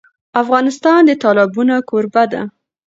افغانستان د تالابونه کوربه دی.